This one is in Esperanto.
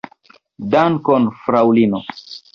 Dankon, fraŭlino.